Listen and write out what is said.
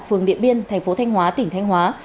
phường điện biên thành phố thanh hóa tỉnh thanh hóa